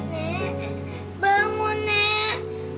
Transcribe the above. nenek bangun nek